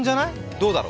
どうだろう。